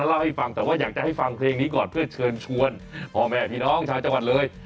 เล่าให้ฟังแต่ว่าอยากจะให้ฟังเพลงนี้ก่อนเพื่อเชิญชวนพ่อแม่พี่น้องชาวจังหวัดเลย